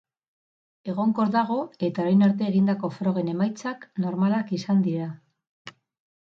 Egonkor dago eta orain arte egindako frogen emaitzak normalak izan dira.